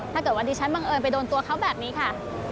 ถ้าเกิดว่าดิฉันบังเอิญไปโดนตัวเขาแบบนี้ค่ะ